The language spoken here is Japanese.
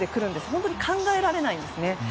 本当に考えられないんですね。